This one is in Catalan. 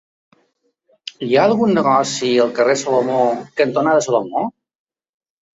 Hi ha algun negoci al carrer Salomó cantonada Salomó?